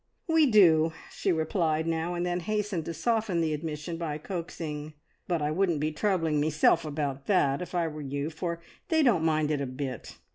"We do!" she replied now, and then hastened to soften the admission by a coaxing, "But I wouldn't be troubling meself about that, if I were you, for they don't mind it a bit.